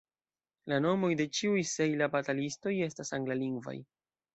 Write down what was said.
La nomoj de ĉiuj Sejla-batalistoj estas angla-lingvaj.